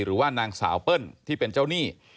หรือว่านางสาวเปิ้ลที่เป็นเจ้าหนี้